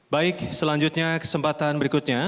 baik selanjutnya kesempatan berikutnya